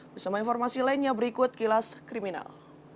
bersama informasi lainnya berikut kilas kriminal